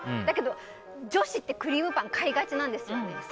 だけど、女子ってクリームパン買いがちなんですよね。